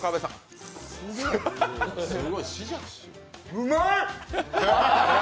うまい！